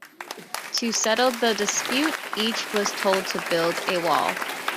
To settle the dispute, each was told to build a wall.